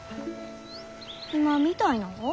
今みたいなが？